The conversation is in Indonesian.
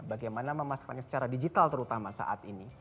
bagaimana memasarkannya secara digital terutama saat ini